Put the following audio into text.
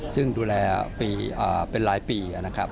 ซึ่งดูแลเป็นหลายปี